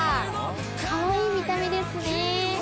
かわいい見ためですね。